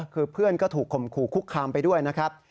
คือเพื่อนก็ถูกข่มขู่คุกคามไปด้วยนะครับ